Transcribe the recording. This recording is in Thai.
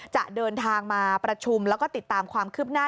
จะเดินทางมาประชุมแล้วก็ติดตามความคืบหน้า